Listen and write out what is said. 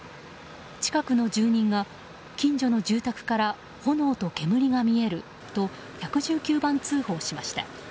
近くの住人が、近所の住宅から炎と煙が見えると１１９番通報しました。